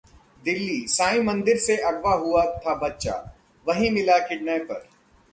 दिल्ली: साईं मंदिर से अगवा हुआ था बच्चा, वहीं मिला किडनैपर